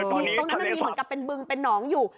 ตรงนั้นมันมีเหมือนกับเป็นบึงเป็นหนองอยู่